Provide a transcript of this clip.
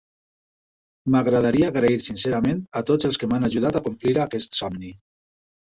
M'agradaria agrair sincerament a tots els que m'han ajudat a complir aquest somni.